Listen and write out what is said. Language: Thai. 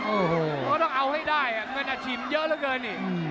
โอ้โหต้องเอาให้ได้เหมือนอาชีพเยอะเหลือเกิน